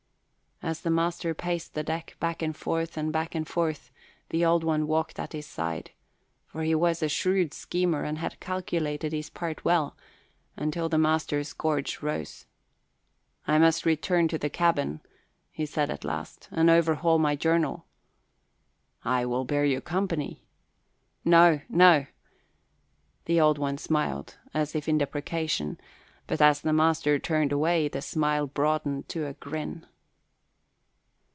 As the master paced the deck, back and forth and back and forth, the Old One walked at his side for he was a shrewd schemer and had calculated his part well until the master's gorge rose. "I must return to the cabin," he said at last, "and overhaul my journal." "I will bear you company." "No, no!" The Old One smiled as if in deprecation; but as the master turned away, the smile broadened to a grin.